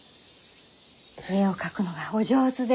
絵を描くのがお上手で。